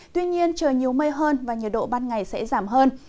tuy nhiên trời nhiều mây hơn và nhiệt độ ban ngày sẽ giảm hơn